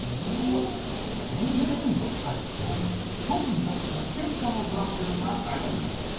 特に戦車のプラモデルが大好き。